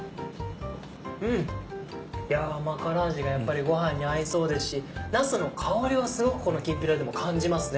うん甘辛味がやっぱりご飯に合いそうですしなすの香りがすごくこのきんぴらでも感じますね。